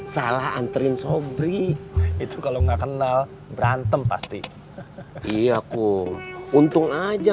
kalian pulang saja